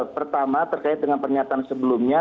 pertama terkait dengan pernyataan sebelumnya